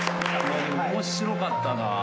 面白かったな。